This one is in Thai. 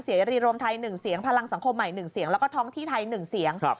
เสรีรวมไทย๑เสียงพลังสังคมใหม่๑เสียงแล้วก็ท้องที่ไทย๑เสียง